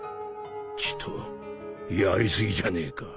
ちとやりすぎじゃねえか？